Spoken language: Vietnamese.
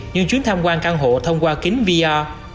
những chuyến tham quan căn hộ thông qua kính vr